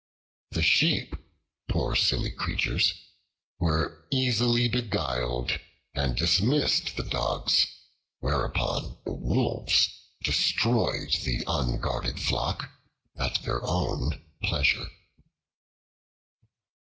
The Sheep, poor silly creatures, were easily beguiled and dismissed the Dogs, whereupon the Wolves destroyed the unguarded flock at their own pleasure.